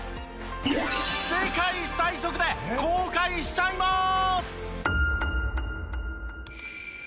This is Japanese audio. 世界最速で公開しちゃいます！